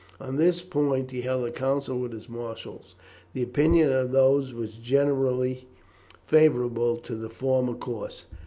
On this point he held a council with his marshals. The opinion of these was generally favourable to the former course.